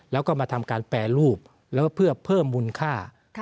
แล้วก็มาทำการแปรรูปแล้วก็เพื่อเพิ่มมูลค่า